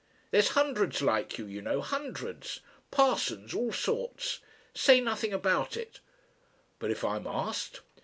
There's hundreds like you, you know hundreds. Parsons all sorts. Say nothing about it " "But if I'm asked?"